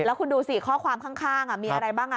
แล้วคุณดูสิข้อความข้างมีอะไรบ้าง